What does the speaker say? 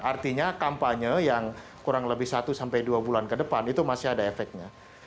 artinya kampanye yang kurang lebih satu sampai dua bulan ke depan itu masih ada efeknya